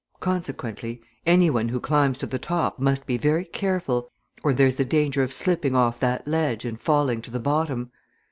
Consequently, any one who climbs to the top must be very careful, or there's the danger of slipping off that ledge and falling to the bottom.